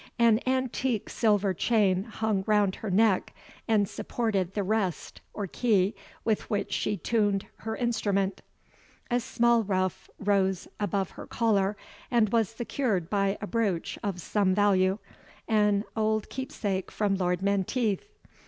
An antique silver chain hung round her neck, and supported the WREST, or key, with which she turned her instrument. A small ruff rose above her collar, and was secured by a brooch of some value, an old keepsake from Lord Menteith.